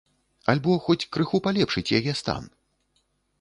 Альбо хоць крыху палепшыць яе стан?